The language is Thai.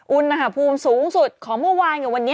อุณหภูมิสูงสุดของเมื่อวานกับวันนี้